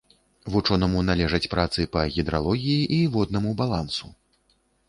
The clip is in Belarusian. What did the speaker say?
Вучонаму належаць працы па гідралогіі і воднаму балансу.